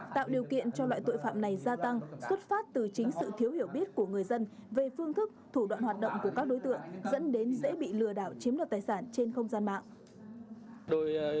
tạo điều kiện cho loại tội phạm này gia tăng xuất phát từ chính sự thiếu hiểu biết của người dân